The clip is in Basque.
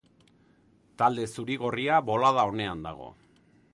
Talde zuri-gorria bolada onean dago.